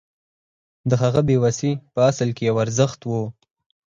د هغه بې وسي په اصل کې یو ارزښت و